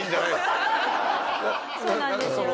そうなんですよね。